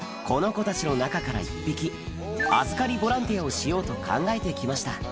この子たちの中から１匹預かりボランティアをしようと考えて来ました